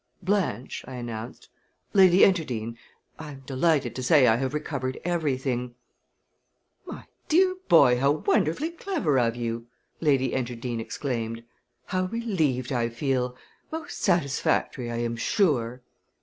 "Blanche," I announced "Lady Enterdean I am delighted to say I have recovered everything." "My dear boy, how wonderfully clever of you!" Lady Enterdean exclaimed. "How relieved I feel! Most satisfactory, I am sure."